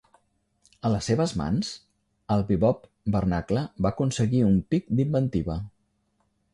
A les seves mans, el bebop vernacle va aconseguir un pic d'inventiva.